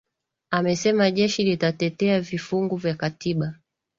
amesema jeshi litatetea vifungu vya katiba